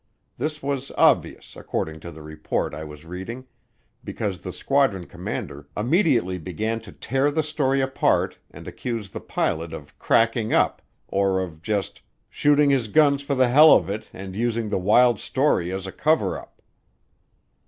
This was obvious, according to the report I was reading, because the squadron commander immediately began to tear the story apart and accuse the pilot of "cracking up," or of just "shooting his guns for the hell of it and using the wild story as a cover up."